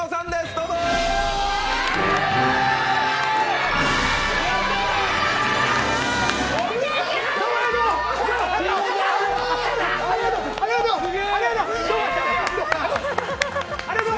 どうもありがとう！